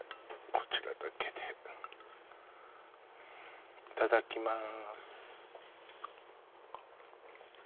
こちらだけでいただきまーす